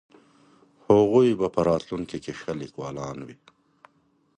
هغوی به په راتلونکي کې ښه لیکوالان وي.